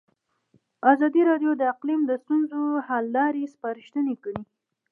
ازادي راډیو د اقلیم د ستونزو حل لارې سپارښتنې کړي.